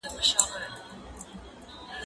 دا پوښتنه له هغه اسانه ده،